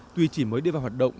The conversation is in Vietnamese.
tuy chỉ mới đi vào hoạt động